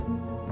ketemu aku ya